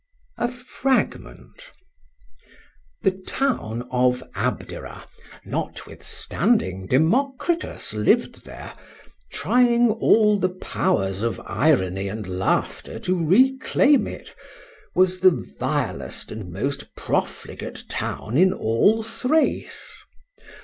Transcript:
A FRAGMENT. —THE town of Abdera, notwithstanding Democritus lived there, trying all the powers of irony and laughter to reclaim it, was the vilest and most profligate town in all Thrace.